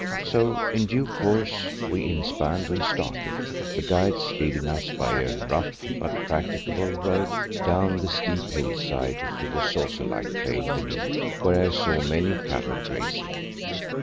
So, in due course we inspanned and started, the guides leading us by a rough but practicable road down the steep hillside to the saucer like plain beneath, where I saw many cattle grazing.